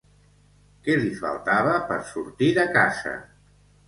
Què li faltava per sortir de casa?